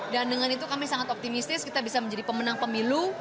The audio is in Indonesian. dan dengan itu kami sangat optimis kita bisa menjadi pemenang pemilu